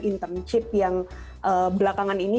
internship yang belakangan ini